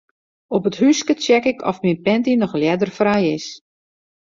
Op it húske check ik oft myn panty noch ljedderfrij is.